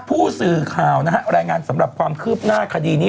ผู้สื่อข่าวนะฮะรายงานสำหรับความคืบหน้าคดีนี้